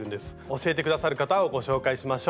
教えて下さる方をご紹介しましょう。